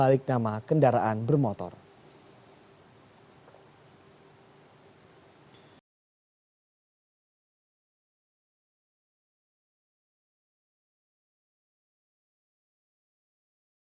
pemulihan pajak kendaraan bermotor di ibu kota ini dalam rangka optimalisasi